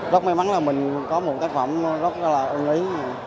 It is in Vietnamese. rất may mắn là mình có một tác phẩm rất là ưng ý